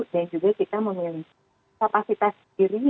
dan juga kita memiliki kapasitas diri